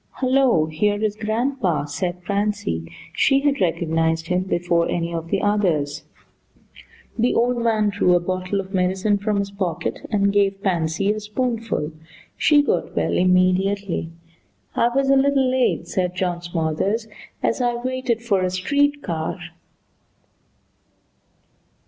"Hello, here is grandpa," said Pansy. She had recognized him before any of the others. The old man drew a bottle of medicine from his pocket and gave Pansy a spoonful. She got well immediately. "I was a little late," said John Smothers, "as I waited for a street car."